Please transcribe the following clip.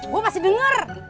gua masih denger